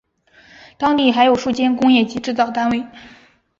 当地还有数间工业及制造单位。